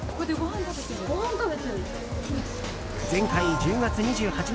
前回１０月２８日